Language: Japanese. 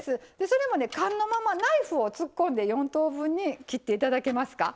それもね缶のままナイフを突っ込んで４等分に切っていただけますか？